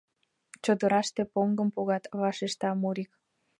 — Чодыраште поҥгым погат, — вашешта Мурик.